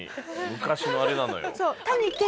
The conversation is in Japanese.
昔のあれなのよ。